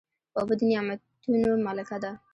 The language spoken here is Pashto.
اوبه د نعمتونو ملکه ده.